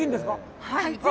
はい。